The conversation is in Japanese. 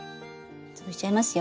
潰しちゃいますよ。